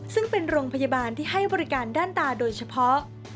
ซึ่งเป็นโรงพยาบาลที่ให้บริการด้านตาโดยเฉพาะ